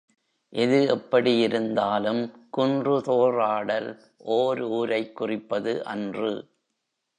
எது எப்படி இருந்தாலும் குன்றுதோறாடல் ஓர் ஊரைக் குறிப்பது அன்று.